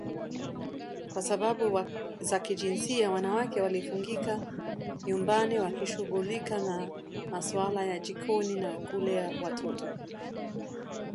Kwa sababu za kijinsia, wanawake walifungika nyumbani wakishughulika na maswala ya jikoni na kulea watoto